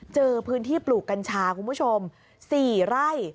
เจอพื้นที่ปลูกกัญชาคุณผู้ชม๔ไร่